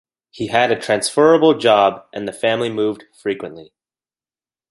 He had a transferable job and the family moved frequently.